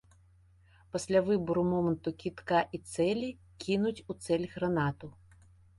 Пасля выбару моманту кідка і цэлі кінуць у цэль гранату.